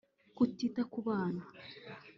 kutita ku bana